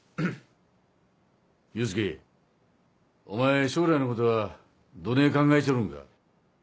祐介お前将来のことはどねぇ考えちょるんか。